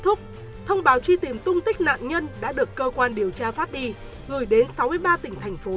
thúc thông báo truy tìm tung tích nạn nhân đã được cơ quan điều tra phát đi gửi đến sáu mươi ba tỉnh thành phố